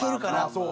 そう。